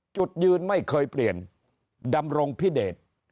จุดยืนไม่เคยเปลี่ยนดำรงพิเดช